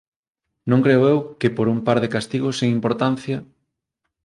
Non creo eu que por un par de castigos sen importancia...